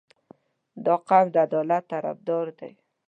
• دا قوم د عدالت طرفدار دی.